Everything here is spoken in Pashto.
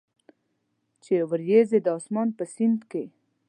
چې اوریځي د اسمان په سیند کې،